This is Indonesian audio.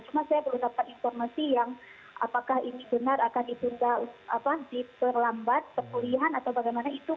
cuma saya belum dapat informasi yang apakah ini benar akan ditunda diperlambat perkulihan atau bagaimana itu